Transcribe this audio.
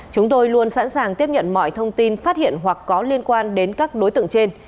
chúng tôi luôn sẵn sàng tiếp nhận mọi thông tin phát hiện hoặc có liên quan đến các đối tượng trên